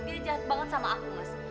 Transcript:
dia jahat banget sama aku mas